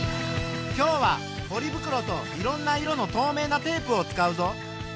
今日はポリ袋といろんな色の透明なテープを使うぞ。